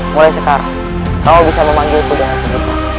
mulai sekarang kamu bisa memanggilku dengan sebut